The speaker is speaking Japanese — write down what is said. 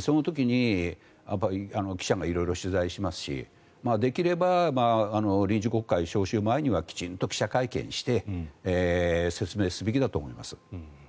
その時に記者が色々取材しますしできれば臨時国会召集前にはきちんと記者会見して説明するべきだと思います。